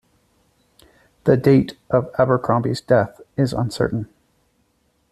The date of Abercromby's death is uncertain.